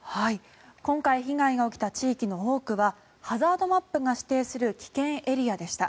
今回被害が起きた地域の多くはハザードマップが指定する危険エリアでした。